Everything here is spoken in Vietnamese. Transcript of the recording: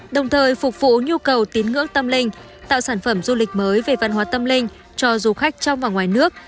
đồng thời phục vụ nhu cầu tín ngưỡng tâm linh tạo sản phẩm du lịch mới về văn hóa tâm linh cho du khách trong và ngoài nước